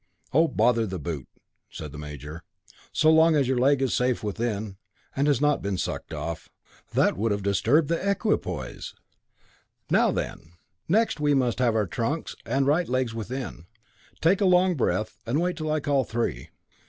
"Oh, bother the boot," said the major, "so long as your leg is safe within, and has not been sucked off. That would have disturbed the equipoise. Now then next we must have our trunks and right legs within. Take a long breath, and wait till I call 'three.'"